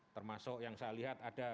termasuk yang saya lihat ada